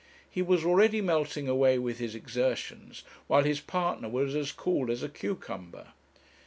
He was already melting away with his exertions, while his partner was as cool as a cucumber.